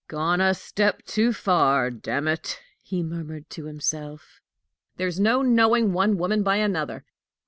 "Gone a step too far, damn it!" he murmured to himself. "There's no knowing one woman by another!"